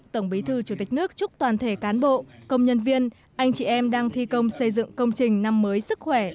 tổng bí thư chủ tịch nước chúc toàn thể cán bộ công nhân viên anh chị em đang thi công xây dựng công trình năm mới sức khỏe